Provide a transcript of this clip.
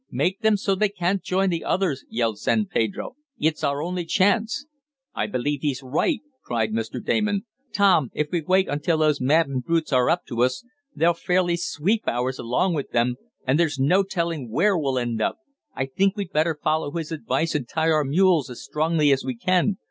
Make them so they can't join the others!" yelled San Pedro. "It's our only chance!" "I believe he's right!" cried Mr. Damon. "Tom, if we wait until those maddened brutes are up to us they'll fairly sweep ours along with them, and there's no telling where we'll end up. I think we'd better follow his advice and tie our mules as strongly as we can.